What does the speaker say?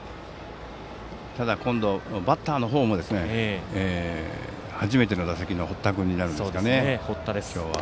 ただ、今度バッターの方も初めての打席の堀田君になりますのでね。